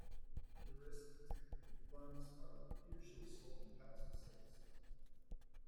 Heuristically buns are usually sold in packs of six.